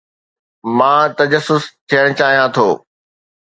مان تجسس ٿيڻ چاهيان ٿو.